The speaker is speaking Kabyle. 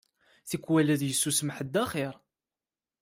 Tikwal ad yessusem ḥedd axir.